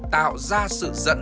tạo ra sự dẫn dắt